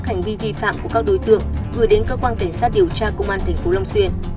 hành vi vi phạm của các đối tượng gửi đến cơ quan cảnh sát điều tra công an tp long xuyên